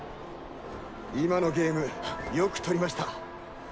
今のゲームよく取りました。